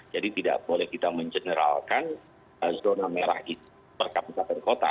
jadi tidak boleh kita mengeneralkan zona merah itu per kapasitas dan kota